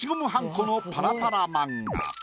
このパラパラ漫画。